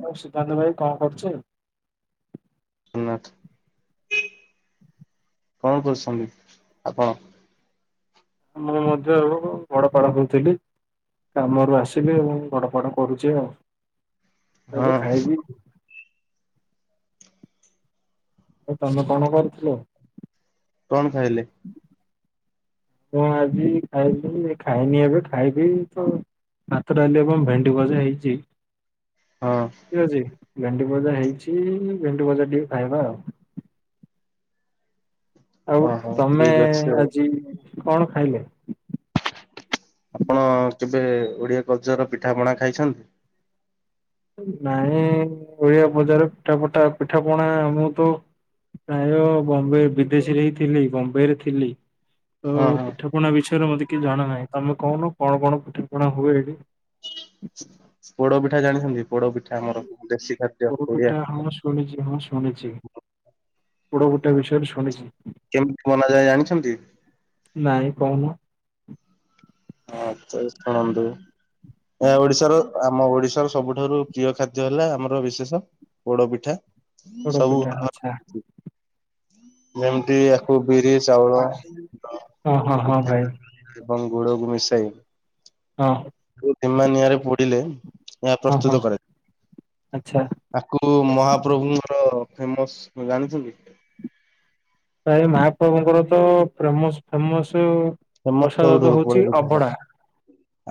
ଆଉ ସୁଦ୍ଧାନ୍ତ ଭାଇ କଁ କରୁଛି? [unintelligible] କଁ କରୁଛନ୍ତି ଆପଣ? ମୁଁ ମଧ୍ୟ ଏବଂ ଗଡ଼ପଡ଼ ହଉଥିଲି। କାମରୁ ଆସିଲି ଏବଂ ଗଡ଼ପଡ଼ କରୁଚି ଆଉ ହଁ ଏବେ ଖାଇବି। ତମେ କଣ କରୁଥିଲ? କଣ ଖାଇଲେ? ହଁ ଆଜି ଖାଇଲି ଖାଇନି ଏବେ ଖାଇବି ତ ଭାତ ଡାଲି ଏବଂ ଭେଣ୍ଡି ଭଜା ହେଇଛି ହଁ ଠିକ୍ ଅଛି। ଭେଣ୍ଡି ଭଜା ହେଇଛି ଭେଣ୍ଡି ଭଜା ଟିକେ ଖାଇବା ଆଉ। ଆଉ ଓହୋ ତମେ ଠିକ ଅଛି ଆଉ। ଆଜି କଣ ଖାଇଲେ? ଆପଣ କେବେ ଓଡ଼ିଆ କଲ୍ ଚର୍ ର ପିଠା ପଣା ଖାଇଛନ୍ତି? ନାଇଁ ଓଡ଼ିଆ ବଜାର୍ ର ପିଠା ପଠା ପିଠା ପଣା ମୁଁ ତ ପ୍ରାୟ ବମ୍ବେ ବିଦେଶୀରେ ହିଁ ଥିଲି, ବମ୍ବେରେ ଥିଲି। ତ ହଁ ହଁ। ପିଠା ପଣା ବିଷୟରେ ମତେ କିଛି ଜଣା ନାହିଁ। ତମେ କହୁନ କଣ କଣ ପିଠା ପଣା ହୁଏ ହେଇଟି। ପୋଡ଼ପିଠା ଜାଣିଛନ୍ତି? ପୋଡ଼ପିଠା ଆମର ଦେଶୀ ଖାଦ୍ୟ ଓଡିଆ ପୋଡ଼ପିଟା ହଁ ଶୁଣିଛି, ହଁ ଶୁଣିଛି ପୋଡ଼ [unintelligible] ଗୋଟେ ବିଷୟରେ ଶୁଣିଛି। କେମିତି ବନାଯାଏ ଜାଣିଛନ୍ତି? ନାଇଁ କହୁନ? ହଁ, ଚ ଶୁଣନ୍ତୁ। ଏହା ଓଡ଼ିଶାର, ଆମ ଓଡିଶାର ସବୁଠାରୁ ପ୍ରିୟ ଖାଦ୍ୟ ହେଲା, ଆମର ବିଶେଷ ପୋଡ଼ପିଠା ସବୁ ପୋଡପିଠା ଆଚ୍ଛା [unintelligible] କୁହନ୍ତି ଆକୁ ଅ ହଁ, ହଁ, ହଁ ଭାଇ। ଏବଂ ଗୁଡ଼ କୁ ମିଶାଇ ହଁ କୁ ଧିମା ନିଆଁରେ ପୋଡ଼ିଲେ ଏହା ହଁ ହଁ ପ୍ରସ୍ତୁତ କରେ। ଆଚ୍ଛା ତାକୁ ମହାପ୍ରଭୁଙ୍କର ଫେମସ୍ [unintelligible] ଜାଣିଛନ୍ତି? ପ୍ରାୟ ମାହାପ୍ରଭୁଙ୍କର ତ ପ୍ରେମସ୍ ଫେମସ୍ ଉଁ ଫେମସ ପ୍ରସାଦ ସବୁଠୁ ତ ପୋଡ ହୋଉଛି, ପିଠାଟା ଅଭଢ଼ା।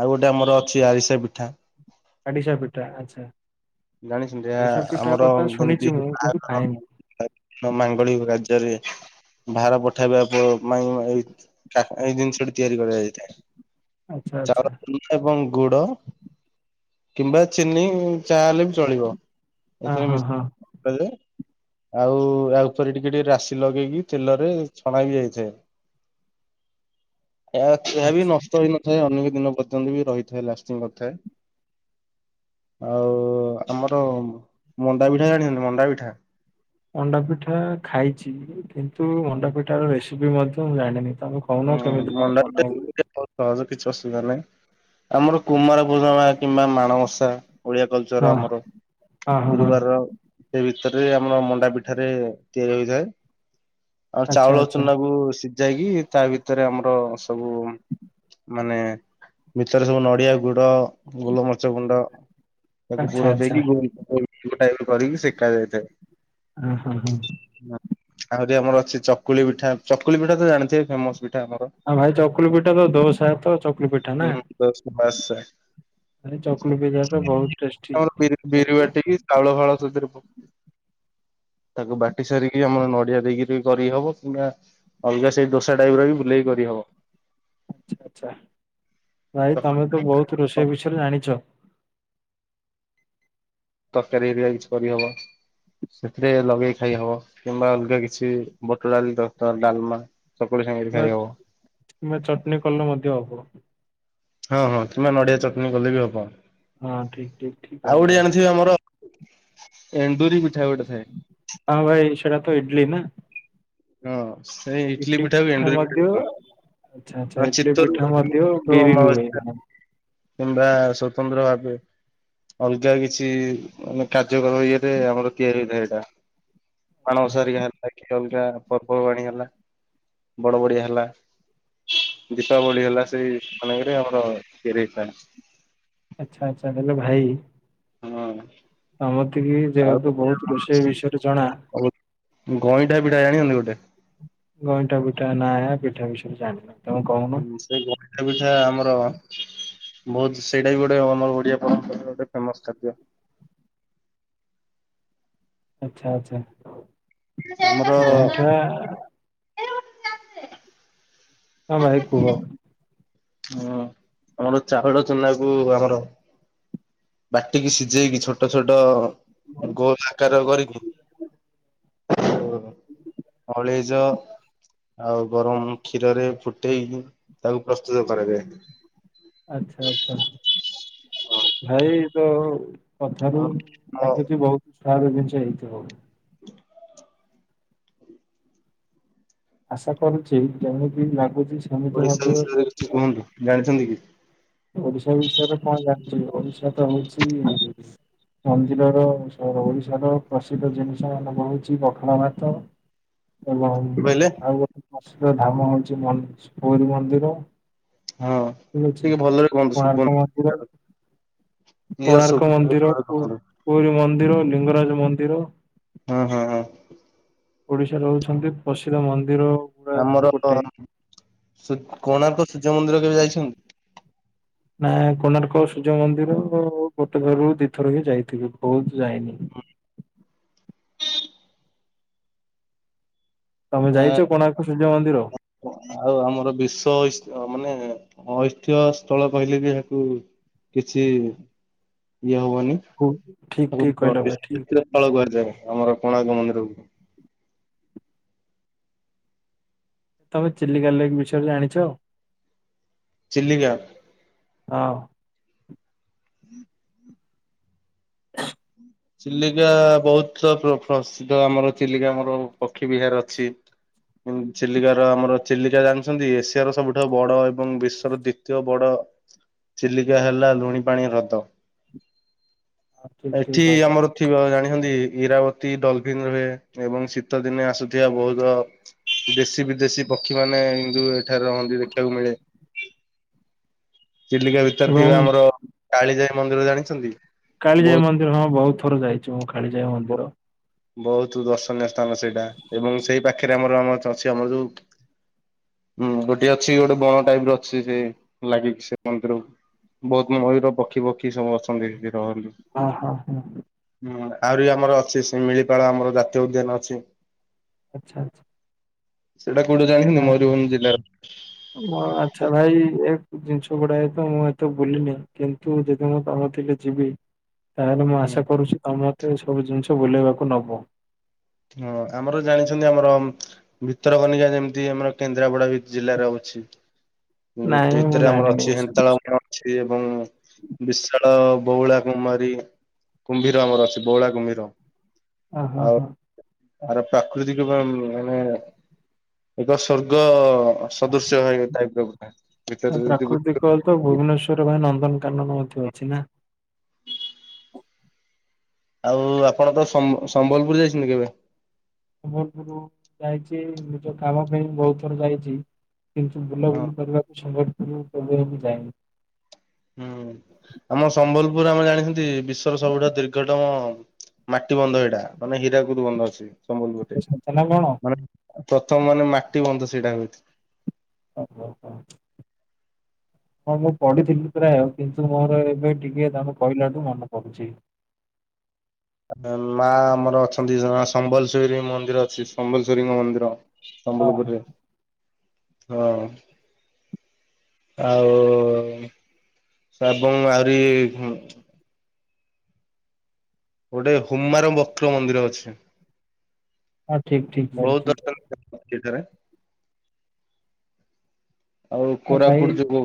ଆଉ ଗୋଟେ ଆମର ଅଛି, ଆରିସା ପିଠା। ଆଡ଼ିସା ପିଠା, ଆଚ୍ଛା। ଜାଣିଛନ୍ତି? ଆ ଆଡିଶା ପିଠା ଆମର କଥା ଶୁଣିଛି ଯେମିତି ମୁଁ କିନ୍ତୁ ବାହାଘର ଖାଇନି [unintelligible] ମାଙ୍ଗଳିକ ରାଜ୍ୟରେ ଭାର ପଠାଇବା ପ ମାଇଁ ଏଇଥ୍ ଆ ଏଇ ଜିନିଷଟି ତିଆରି କରାଯାଇଥାଏ। ଆଚ୍ଛା ଆଚ୍ଛା ଚାଉଳ କିଲେ ଏବଂ ଗୁଡ଼ କିମ୍ବା ଚିନି ଯାହାହେଲେ ବି ଚଳିବ ହଁ ଏଥିରେ ହଁ ମିକ୍ସ ହଁ କଲେ। ଆଉ ଇଆ ଉପରେ ଟିକେ ଟିକେ ରାଶି ଲଗେଇକି ତେଲରେ ଛଣା ବି ଯାଇଥାଏ। ଏହା [unintelligible] ବି ଆଚ୍ଛା ନଷ୍ଟ ହେଇନଥାଏ ଅନେ ଦିନ ପର୍ଯ୍ୟନ୍ତ ବି ରହିଥାଏ, ଲାଷ୍ଟିଂ କରିଥାଏ। ଆଉ ଆମର ମଣ୍ଡା ପିଠା ଜାଣିଛନ୍ତି? ମଣ୍ଡା ପିଠା। ମଣ୍ଡାପିଠା ଖାଇଛି କିନ୍ତୁ, ହୁଁ ମଣ୍ଡାପିଠା ର ରେସିପି ମଧ୍ୟ ମୁଁ ଜାଣିନି। ତମେ କହୁନ, ହୁଁ କେମିତି କଣ ମଣ୍ଡା ପିଠା ବନା ବି ହୁଏ। ବହୁତ ସହଜ କିଛି ଅସୁବିଧା ନାହିଁ, ଆମର କୁମାର ପୂର୍ଣ୍ଣିମା କିମ୍ବା ମାଣବସା ଓଡ଼ିଆ କଲ୍ ଚର୍ ହଁ ଆମର ହଁ ହଁ ହଁ ଗୁରୁବାରର ଦେବି ତରେ ଆମର ମଣ୍ଡା ପିଠାରେ ତିଆରି ହୋଇଥାଏ। ଆଉ ଆଚ୍ଛା ଚାଉଳ ଆଚ୍ଛା ଚୁନା କୁ ସି ଯାଇକି ତା ଭିତରେ, ଆମର ସବୁ ମାନେ ଭିତରେ ସବୁ ନଡିଆ, ଗୁଡ, ଗୋଲମରିଚ ଗୁଣ୍ଡ ତାକୁ ଆଚ୍ଛା ପୂୁର ଆଚ୍ଛା ଦେଇକି ଗୋ ଗୋଲ କରିକି ସେକା ଯାଇଥାଏ। ହଁ ହଁ, ହଁ। ଆହୁରି ଆମର ଅଛି ଚକୁଳି ପିଠା। ଚକୁଳି ପିଠା ତ ଜାଣିଥିବେ ଫେମସ ପିଠା। ଆମର। ଆଉ ଭାଇ ଚକୁଲି ପିଠା ତ ଦୋସା ତ ଚକୁଲି ପିଠା ନା। ବାସ। ଭାଇ ଚକୁଲି ପିଠା ତ ବହୁତ ଟେଷ୍ଟି। ଆମର ବିରିି ବିରି ଆଚ୍ଛା ବାଟିକି ଚାଉଳ ଫାଉଳ ସେଇଥିରେ ପ ତାକୁ ବାଟି ସାରିକି ଆମର ନଡିଆ ଦେଇକିରି କରିହବ କିମ୍ବା ଅଲଗା ସେଇ ଦୋସା ଟାଇପ ର ବି ବୁଲେଇକି କରିହବ। ହବ। ଆଚ୍ଛା, ଆଚ୍ଛା ଭାଇ ଚକ ତମେ ତ ବହୁତ ରୋଷେଇ ବିଷୟରେ ଜାଣିଛ। ତରକାରୀ ହେରିକା କିଛି କରି ହବ। ସେଥିରେ ଲଗେଇ ଖାଇ ହବ କିମ୍ବା ଅଲଗା କିଛି ବୁଟ ଡାଲି ତରକାର, ଡାଲମା ଚକୁଳି ସାଙ୍ଗରେ ଖାଇ ହବ କିମ୍ୱା, କିମ୍ବା ଚଟଣି କଲେ ମଧ୍ୟ ହବ। ହଁ, ହଁ କିମ୍ବା ନଡିଆ ଚଟଣି କଲେ ବି ହବ। ହଁ ଠିକ, ଠିକ, ଠିକ କହିଲ ଭାଇ। ଏଣ୍ଡୁରିପିଠା ଗୋଟେ ଥାଏ। ଇଟିଲିନା, ହଁ ସେଇ ଇଟିଲିି ପିଠାକୁ ଏଣ୍ଡୁରିପିଠା ମଧ୍ୟ କହନ୍ତି। ଆଚ୍ଛା ଆଚ୍ଛା ହଁ ଇଡଲି ପିଠା ଚିତଉଲାଗି ମଧ୍ୟ ବିରିରୁ ହୁଏ ଅମାବାସ୍ୟା କିମ୍ବା ସ୍ବତନ୍ତ୍ର ଭାବେ। ଅଲଗା କିଛି ମାନେ କାର୍ଯ୍ୟକମ ଇଏରେ ଆମର ତିଆରି ହେଇଥାଏ ଏଟା ଆଚ୍ଛା। ମାଣବସା ହେଲାକି। ଅଲଗା ପର୍ବବାଣି ହେଲା ବଡ ବଡିଆ ହେଲା ଦୀପାବଳି ହେଲା ସେଇ ମାନଙ୍କରେ ଆମର ତିଆରି ହେଇଥାନ୍ତା। ଆଚ୍ଛା ଆଚ୍ଛା ଦେଲ ଭାଇ ହଁ। ତମର ଟିକିଏ ଯେହେତୁ ଆଉ ବହୁତ ରୋଷେଇ ବିଷୟରେ ଜଣା ଗଇଁଠାପିଠା ଜାଣିଛନ୍ତି ଗୋଟେ ଗଇଁଠାପିଠା ନାଁ ପିଠା ବିଷୟରେ ଜାଣିନି ହୁଁ ସେ ଗଇଠାପିଠା ଆମର ବହୁତ ସେଇଟାବି ଗୋଟେ ଆମର ଓଡିଆ ପରମ୍ପରା ଗୋଟେ ଫେମସଖାଦ୍ୟ। ଆଚ୍ଛା ଆଚ୍ଛା ଆମର ଗଇଁଠା ହଁ ଭାଇ କୁହ। ହୁଁ ଆମର ଚାଉଳ ଚୁନାକୁ ଆମର ବାଟିକି ସିଝେଇକି ଛୋଟ ଛୋଟ ଗୋଲ ଆକାର କରିକି ଓ ହୋ ଅଳେଇଚ ଆଉ ଗରମ କ୍ଷୀରରେ ଫୁଟେଇ ତାକୁ ପ୍ରସ୍ତୁତ କରାଯାଏ। ଆଚ୍ଛା ଆଚ୍ଛା ଭାଇ ତ କଥାରୁ ଆଉ ଆମ ଲାଗୁଛି ବହୁତ ଷ୍ଟ୍ରଙ୍ଗ ଜିନିଷ ହେଇଥିବ ବୋଧେ ଆଶା କରୁଛି କେମିତି ଲାଗୁଛି ସେମିତି ଓଡିଶା ମଧ୍ୟ ବିଷୟରେ କିଛି କୁହନ୍ତୁ ଜାଣିଛନ୍ତିକି? ଓଡିଶା ବିଷୟରେ କଣ ଯାଉଛକି ଓଡିଶାତ ହଉଛି ଜିଲ୍ଲାର ସାରା ଓଡିଶାର ପ୍ରସିଦ୍ଧ ଜିନିଷ ମାନଙ୍କ ହଉଛି ପଖାଳ ଭାତ। ଏବଂ କହିଲେ ଆଉଗୋଟେ ପ୍ରସିଦ୍ଧ ଧାମ ହଉଛି ମ ପୁରୀ ମନ୍ଦିର। ହଁ ଠିକ ଅଛି। ଟିକେ ଭଲରେ କୁହନ୍ତୁ କୋଣାର୍କ ଶୁଭୁନି। ମନ୍ଦିର। କ୍ଲିୟର କୋଣାର୍କ ଶୁଭୁନି ଟିକେ ମନ୍ଦିର ଜୋରେ ପୁ କୁହନ୍ତୁ। ପୁରରୀ ମନ୍ଦିର ଲିଙ୍ଗରାଜ ମନ୍ଦିର। ହୁଁ -ହୁଁ -ହଁ। ଓଡିଶା ରହୁଛନ୍ତି ପ୍ରସିଦ୍ଧ ମନ୍ଦିର। ଗୁଡାକରୁ ଆମର ଗୋଟେ। ସୂ କୋଣାର୍କ ସୂର୍ଯ୍ୟମନ୍ଦିର କେବେ ଯାଇଛନ୍ତି? ନା କୋଣାର୍କ ସୂର୍ଯ୍ୟମନ୍ଦିର ଗୋଟେ ଥରରୁ ଦିଥର ହିଁ ଯାଇଥିବ ବହୁତ ଯାଇନି ତମେ ଯାଇଛ କୋଣାର୍କ ସୂର୍ଯ୍ୟ ମନ୍ଦିର? ଆଁ ଆଉ ଆମର ବେଶ ମାନେ ଐତିହ୍ୟ ସ୍ଥଳ କହିଲେବି ଯେହେତୁ କିଛି ଇଏ ହବନି ହୁ- ଠିକ ଠିକ ତାକୁ କହିଲ ଭାଇ ଠିକ ବିଚିତ୍ର ତଳ କୁହାଯାଏ। ଆମର କୋଣାର୍କ ମନ୍ଦିରକୁ ତମେ ଚିଲିକା ଲେକ୍ ବିଷୟରେ ଜାଣିଛ? ଚିଲିକା। ହଁ। ଚିଲିକା ବହୁତ ପ୍ର- ପ୍ର ପ୍ରସିଦ୍ଧ ଆମର ଚିଲିକା ଆମର ପକ୍ଷୀ ବିହାର ଅଛି। ଚିଲିକାର ଆମର ଚିଲିକା ଜାଣିଛନ୍ତି ଏସିଆର ସବୁଠୁ ବଡ ଏବଂ ବିଶ୍ୱର ଦ୍ଵିତୀୟ ବଡ ଦ ଚିଲିକା ହେଲା ଲୁଣି ପାଣି ହ୍ରଦ। ହଁ ଠିକ୍ ଠିକ୍। ଏଠି ଆମର ଥିବା ଜାଣିଛନ୍ତି? ଇରାବତୀ ଡଲଫିିନ ରୁହେ ଏବଂ ଶୀତ ଦିନେ ଆସୁଥିବା ବହୁତ ଦେଶୀ ବି- ଦେଶୀ ପକ୍ଷୀ ମାନେ ହିନ୍ଦୁ ଏଠାରେ ରହନ୍ତି ଦେଖିବାକୁ ମିଳେ। ଚିଲିକା ଭିତରେ ଏବଂ ଥିବା ଆମର କାଳିଜାଇ ମନ୍ଦିର ଜାଣିଛନ୍ତି? କାଳିଜାଇ ବହୁତ ମନ୍ଦିର ହଁ ବହୁତ ଥର ଯାଇଛି ମୁଁ କାଳିଜାଇ ମନ୍ଦିର। ବହୁତ ଦର୍ଶନୀୟ ସ୍ଥାନ ସେଇଟା ଏବଂ ସେଇ ପାଖରେ ଆମର ଆମ ଅଛି ଆମର ଯୋଉ ହୁଁ ଗୋଟେ ଅଛି ଗୋଟେ ବଣ ଟାଇପ ର ଅଛି ସେ ଲାଗିକି ସେ ମନ୍ଦିରକୁ। ବହୁତ ମୟୂର ପକ୍ଷୀ ପକ୍ଷୀ ସବୁ ଅଛନ୍ତି। ରହନ୍ତି। ହ ହଁ ହଁ। ହୁଁ ଆହୁରି ଆମର ଅଛି ସେ ଶିମିଳିପାଳ ଆମର ଜାତୀୟ ଉଦ୍ୟାନ ଅଛି। ଆଚ୍ଛା। ସେଇଟା କୋଉଠି ଜାଣିଛନ୍ତି ମୟୂରଭଞ୍ଜ ଜିଲ୍ଲାର ମା ଆଛା ଭାଇ ଜିନିଷ ଗୁଡାଏ ତ ମୁଁ ଏତେ ବୁଲିନି କିନ୍ତୁ ଯଦି ମୁଁ ତାମ ଥିଲେ ଯିବି। ତାହେଲେ ମୁଁ ହୁଁ ଆଶା କରୁଛି ତମ ମତେ ସବୁ ଜିନିଷ ବୁଲେଇବାକୁ ନବ? ହଁ ଆମର ଜାଣିଛନ୍ତି ଆମର ଭିତରକନିକା ଯେମିତି ଆମର କେନ୍ଦ୍ରାପଡା ଜିଲ୍ଲାରେ ଅ ଛି ନାଇଁ ମୁଁ ଭିତରେ ଆମର ଜାଣିନି ଅଛି ଏସବୁ ହେନ୍ତାଳ ବିଷୟ ଅଛି ଏବଂ ବିଶାଳ ବଉଳା କୁମ୍ମାରୀ କୁମ୍ଭୀର ଆମର ଅଛି ବଉଳା କୁମ୍ଭୀର। ହ ହ ଆଉ ହଁ। ଆର ପ୍ରାକୃତିକ ମାନେ ଏକ ସ୍ଵର୍ଗ ସଦୃଶ୍ୟ ହ ଟାଇପ ଗଟେ ନା ଭିତରେ କାନନ ମଧ୍ୟ ଅଛି ନା? ଆଉ ଆପଣ ତ ସମ୍ଭ ସମ୍ବଲପୁର ଯାଇଛନ୍ତି କେବେ? ସମ୍ବଲପୁର ଯାଇଛି ନିଜ କାମ ପାଇଁ ବହୁତ ଥର ଯାଇଛି। କିନ୍ତୁ ହଁ ବୁଲାବୁଲି କରିବାକୁ ସମ୍ବଲପୁର କେବେ ଏମିତି ଯାଇନି। ହୁଁ ଆମ ସମ୍ବଲପୁର ଆମେ ଜାଣିଛନ୍ତି ବିଶ୍ଵର ସବୁଠା ଦୀର୍ଘତମ ମାଟି ବନ୍ଧ ଏଇଟା ମାନେ ହୀରା କୁନ୍ଧୁ ବନ୍ଧ ଅଛି। ସମ୍ବଲପୁରରେ ଗୋଟେ ସତ ନା ମାନେ ପ୍ରଥମ ମାନେ ମାଟି ବନ୍ଧ ସେଇଟା ହ- ଓ ହୋ ହୋ। ହଁ ମୁଁ ପଢିଥିଲି ପ୍ରାୟ କିନ୍ତୁ ମୋର ଏବେ ଟିକେ ତମେ କହିଲାଠୁ ମନେ ପଡୁଛି। ଆ ମା ଆମର ଅଛନ୍ତି ସମ୍ବଲେଶ୍ଵରୀ ମନ୍ଦିର ଅଛି ସମ୍ବଲେଶ୍ଵରୀଙ୍କ ମନ୍ଦିର। ହଁ। ସମ୍ବଲପୁରରେ ହଁ। ଆଉ ଶବନା ଏବଂ ଆହୁରି ଗୋଟେ ହୁମାର ବକ୍ର ମନ୍ଦିର ଅଛି। ହଁ! ଠିକ୍ ଠିକ୍--କ ବହୁତ ଠି [inaudible] ଆଉ କୋରାପୁଟ୍ ଯୋଗୁ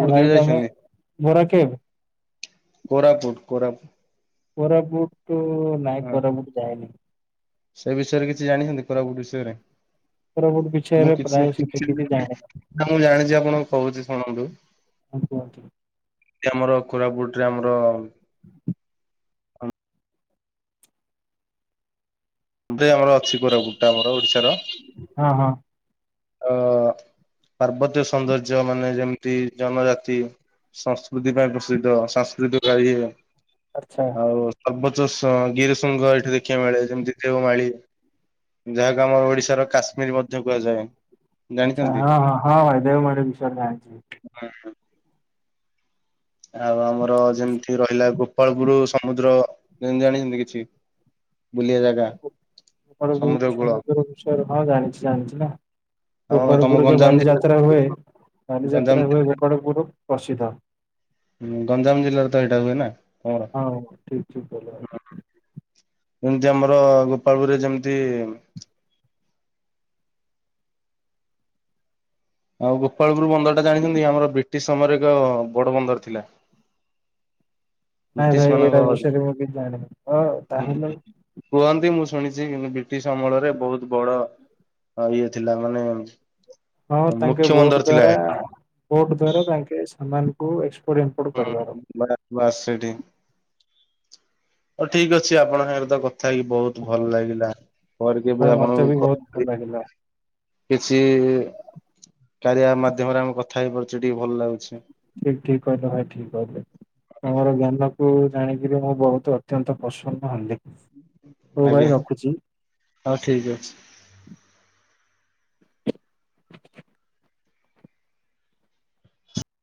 ଆଉ ଭାଇ କେବେ ତମେ ଯାଇଛନ୍ତି? ବରା କେବେ? କୋରାପୁଟ୍, କୋରା କୋରାପୁଟୁ ନାଇଁ କୋରାପୁଟୁ ଯାଏନି। ସେ ବିଷୟରେ କିଛି ଜାଣିଛନ୍ତି? କୋରାପୁଟ୍ ବିଷୟରେ କୋରାପୁଟ ବିଷୟରେ ମୁଁ! ପ୍ରାୟ ସେତେ କିଛି ଜାଣିନି ଜାଣିଚି ଆପଣଙ୍କୁ କହୁଛି ଶୁଣନ୍ତୁ। ହଁ! କୁହନ୍ତୁ। ଆମର କୋରାପୁଟ୍ ରେ ଆମର ଆମର ଅଛି, କୋରାପୁଟ୍ ଟା ଆମର ଓଡିଶାର ହଁ ହଁ! ଅଅ ପାର୍ବତ୍ୟ ସୌନ୍ଦର୍ଯ୍ୟ ମାନେ ଯେମ୍ତି ଜନଜାତି। ସଂସ୍କୃତି ପାଇଁ ପ୍ରସିଦ୍ଧ। ସାଂସ୍କୃତିକ ଆଚ୍ଛା! ପର୍ବତ ସ ଗିରିଶୃଙ୍ଗ ଏଠି ଦେଖିବା କୁ ମିଳେ। ଯେମ୍ତି ଦେଓମାଳୀ, ଯାହାକୁ ଆମ ଓଡ଼ିଶାର କାଶ୍ମୀର ମଧ୍ୟ କୁହାଯାଏ। ଆଚ୍ଛା। ଜାଣିଛନ୍ତି ହଁ ହଁ ହଁ! ଭାଇ ଦେଓମାଳୀ ବିଷୟରେ ଜାଣିଚି। ଆଉ ଆମର ଯେମ୍ତି ରହିଲା ଗୋପାଳପୁରୁ ସମୁଦ୍ର। ଯେ--ଜାଣିଛନ୍ତି କିଛି? ହ [inaudible] କୂଳ ଆମ ତମ ଗୋପାଳପୁର୍ ରେ ତ ଗଞ୍ଜାମ ଜିଲ୍ଲା ବାଲିଯାତ୍ରା ହୁଏ। ଗଞ୍ଜାମ ବାଲିଯାତ୍ରା ହୁଏ, ଗୋପାଳପୁରୁ ପ୍ରସିଦ୍ଧ। ହୁଁ! ଗଞ୍ଜାମ ଜିଲ୍ଲାରେ ତ ଏଇଟା ହୁଏ ନା? ତମର ହଁ! ଠିକ୍ ଠିକ୍ କହିଲ ଭାଇ। ଯେମ୍ତି ଆମର, ଗୋପାଳପୁର୍ ରେ ଯେମ୍ତି ଆଉ ଗୋପାଳପୁରୁ ବନ୍ଦର ଟା ଜାଣିଛନ୍ତି? ଆମର ବ୍ରିଟିଶ୍ ସମୟରେ ଏକ ବଡ଼ ବନ୍ଦର୍ ଥିଲା। [inaudible] ନାଇଁ ବ୍ରିଟିଶ୍ ଭାଇ ଏଇଟା ବିଷୟରେ ମୁଁ କିଛି ଜାଣିନି ତ ତାହେଲେ ମାନଙ୍କ----କୁଅନ୍ତି ମୁଁ ଶୁଣିଚି ବ୍ରିଟିଶ୍ ଅମଳରେ ବହୁତ୍ ବଡ ଇଏ ଥିଲା। ମାନେ ହଁ! ତାଙ୍କେ ମୁଖ୍ୟ ଭୋଟ୍ ବନ୍ଦର ଥିଲା। ଦ୍ଵାରା ପୋଟ୍ ଦ୍ଵାରା ତାଙ୍କେ ସାମ୍ମା ହୁଁ [inaudible] ବାସ୍ ବାସ୍ ସେଇଠି ହଉ ଠିକ୍ ଅଛି, ଆପଣ ହେଆଡେ ତ କଥା ହେଇକି ବହୁତ୍ ଭଲ୍ ଲାଗିଲା। ପରେ କେବେ ଭାଇ ମତେ ବି ଆପଣଙ୍କୁ ବହୁତ ଭଲ ଲାଗିଲା କିଛି କାରିଆ ମାଧ୍ୟମରେ ଆମେ କଥା ହେଇପାରୁଚେ, ଟିକେ ଭଲ୍ ଲାଗୁଛି। ଠିକ୍ ଠିକ୍ କହିଲ ଭାଇ ଠିକ୍ କହିଲେ। ତମର ଜ୍ଞାନ କୁ ଜାଣିକିରି, ମୁଁ ବହୁତୁ ଅତ୍ୟନ୍ତ ପ୍ରସନ୍ନ ହେଲି। ହଉ ଆଜ୍ଞା, ଭାଇ ରଖୁଛି। ହଉ ଠିକି ଅଛି।